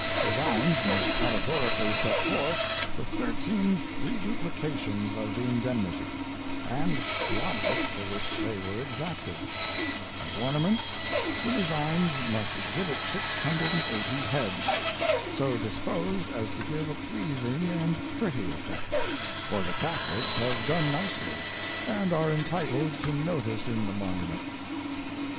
Designs must allegorically set forth the T'hir ^ teen Reduplications of the Indemnity, and the Object for which they were exacted; as Ornaments, the designs must exhibit 680 Heads, so disposed as to give a pleasing and pretty effect ; for the 164: THE NORTH AMERICAN REVIEW. Catholics have done nicely, and are entitled to notice in the monu ment.